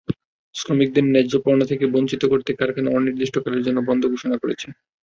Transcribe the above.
শ্রমিকদের ন্যায্য পাওনা থেকে বঞ্চিত করতে কারখানা অনির্দিষ্টকালের জন্য বন্ধ ঘোষণা করেছে।